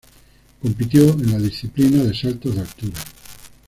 Compitió en la disciplina de saltos de altura.